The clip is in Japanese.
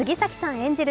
演じる